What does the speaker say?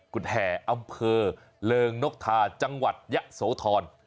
ุดแห่อำเภอเริงนกทาจังหวัดยะโสธร